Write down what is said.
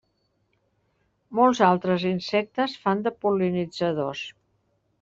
Molts altres insectes fan de pol·linitzadors.